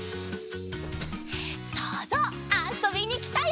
そうぞうあそびにきたよ！